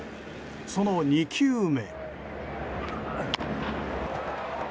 その２球目。